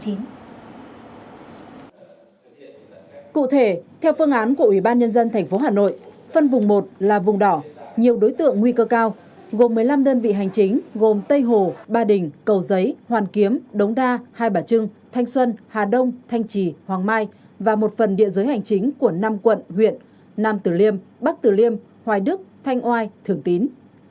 cụ thể theo phương án của ubnd tp hà nội phân vùng một là vùng đỏ nhiều đối tượng nguy cơ cao gồm một mươi năm đơn vị hành chính gồm tây hồ ba đình cầu giấy hoàn kiếm đống đa hai bà trưng thanh xuân hà đông thanh trì hoàng mai và một phần địa giới hành chính của năm quận huyện nam tử liêm bắc tử liêm hoài đức thanh oai thường tín